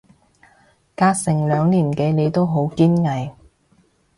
隔成兩年幾你都好堅毅